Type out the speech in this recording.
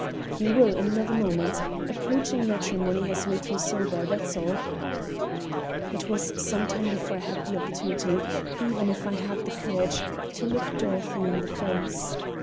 "You will in another moment. Approaching matrimony has made you sober, that's all." It was some time before I had the opportunity, even if I had the courage, to look Dorothy in the face.